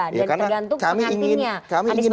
dan tergantung penyakitnya karena kami ingin